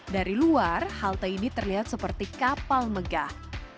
dari luar halte ini terlihat seperti kapal megah